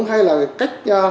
hay là cách